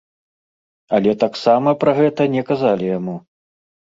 Але таксама пра гэта не казалі яму.